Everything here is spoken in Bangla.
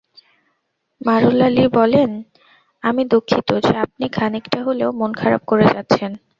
মারলা লি বললেন, আমি দুঃখিত যে আপনি খানিকটা হলেও মন খারাপ করে যাচ্ছেন।